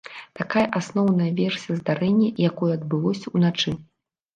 Такая асноўная версія здарэння, якое адбылося ўначы.